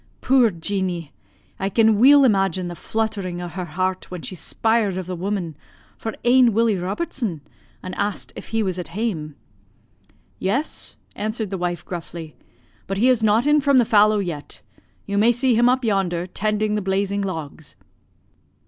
"Puir Jeanie! I can weel imagine the fluttering o' her heart when she spier'd of the woman for ane Willie Robertson, and asked if he was at hame?' "'Yes,' answered the wife gruffly. 'But he is not in from the fallow yet you may see him up yonder tending the blazing logs.'